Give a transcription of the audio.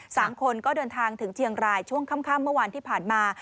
สามคนก็เดินทางถึงเชียงรายช่วงค่ำเมื่อวานที่ผ่านมา